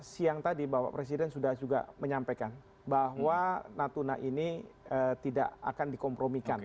siang tadi bapak presiden sudah juga menyampaikan bahwa natuna ini tidak akan dikompromikan